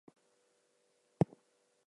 Mozilla sounds a lot like Godzilla.